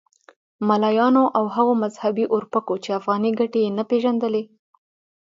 ملایانو او هغو مذهبي اورپکو چې افغاني ګټې یې نه پېژندلې.